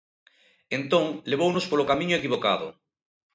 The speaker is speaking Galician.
Entón, levounos polo camiño equivocado.